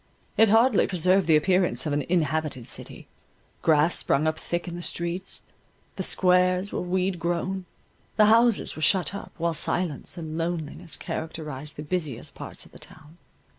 It hardly preserved the appearance of an inhabited city; grass sprung up thick in the streets; the squares were weed grown, the houses were shut up, while silence and loneliness characterized the busiest parts of the town.